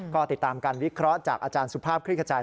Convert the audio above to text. ก็ติดตามการวิเคราะห์จากอาจารย์สุภาพคลิกขจาย